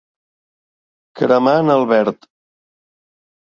Cremar en el verd.